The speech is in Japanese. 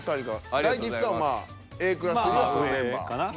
大吉さんはまあＡクラス入りはそのメンバー。